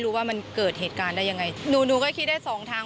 ว่ามันเกิดเหตุการณ์ได้ยังไงหนูหนูก็คิดได้สองทาง